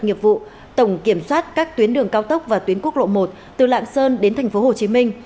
nghiệp vụ tổng kiểm soát các tuyến đường cao tốc và tuyến quốc lộ một từ lạng sơn đến tp hcm